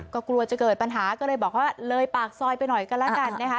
ก็กลัวจะเกิดปัญหาก็เลยบอกว่าเลยปากซอยไปหน่อยก็แล้วกันนะคะ